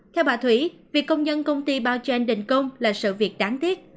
theo bà thủy việc công nhân công ty bao chên định công là sự việc đáng tiếc